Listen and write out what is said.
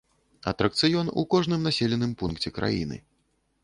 Атракцыён у кожным населеным пункце краіны.